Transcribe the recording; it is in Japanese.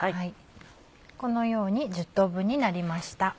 このように１０等分になりました。